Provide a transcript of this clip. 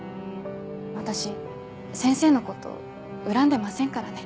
私先生のこと恨んでませんからね。